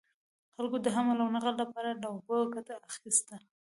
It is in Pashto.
خلکو د حمل او نقل لپاره له اوبو ګټه اخیسته.